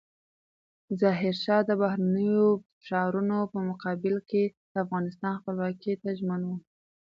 ظاهرشاه د بهرنیو فشارونو په مقابل کې د افغانستان خپلواکۍ ته ژمن و.